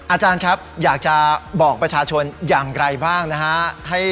อาจารย์ครับอยากจะบอกประชาชนอย่างไรบ้างนะฮะ